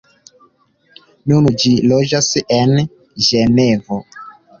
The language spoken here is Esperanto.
Nun ŝi loĝas en Ĝenevo.